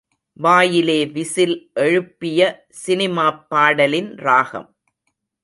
வாயிலே விசில் எழுப்பிய சினிமாப் பாடலின் ராகம்.